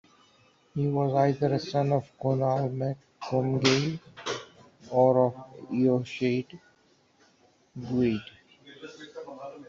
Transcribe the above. He was either a son of Conall mac Comgaill or of Eochaid Buide.